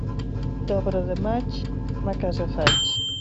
D'obra de maig, ma casa faig.